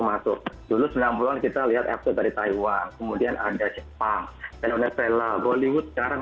masuk dulu senang kita lihat episode dari taiwan kemudian ada jepang indonesia hollywood sekarang